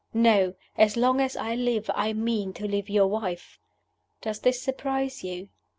No! As long as I live I mean to live your wife. "Does this surprise you?